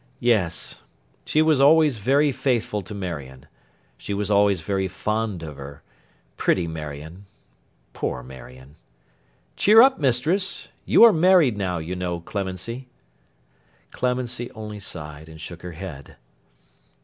'Yes. She was always very faithful to Marion. She was always very fond of her. Pretty Marion! Poor Marion! Cheer up, Mistress—you are married now, you know, Clemency.' Clemency only sighed, and shook her head.